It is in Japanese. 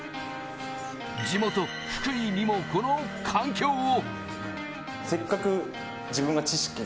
地元・福井にもこの環境を。